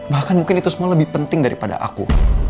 bahkan mungkin itu semua lebih penting daripada aku